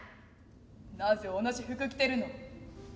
なぜ同じ服きてるの。